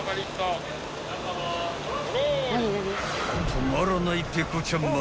［止まらないペコちゃんママ］